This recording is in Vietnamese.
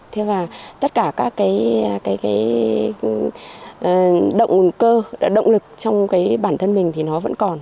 thế và tất cả các cái động nguồn cơ động lực trong cái bản thân mình thì nó vẫn còn